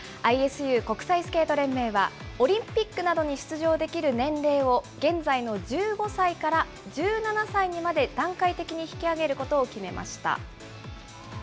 ＩＳＵ・国際スケート連盟は、オリンピックなどに出場できる年齢を、現在の１５歳から１７歳にまで段階的に引き上げることを決めました。